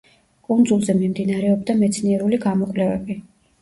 კუნძულზე მიმდინარეობდა მეცნიერული გამოკვლევები.